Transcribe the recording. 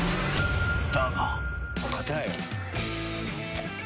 だが。